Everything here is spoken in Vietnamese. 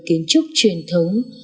kiến trúc truyền thống